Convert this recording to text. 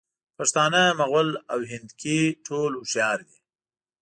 پښتانه، مغل او هندکي ټول هوښیار دي.